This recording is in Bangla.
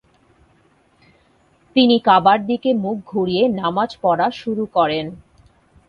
তিনি কাবার দিকে মুখ ঘুরিয়ে নামাজ পড়া শুরু করেন।